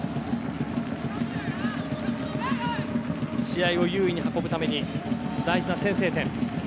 試合を優位に運ぶために大事な先制点。